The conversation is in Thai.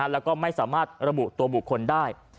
แล้วก็ไม่สามารถระบุตัวบุคคลได้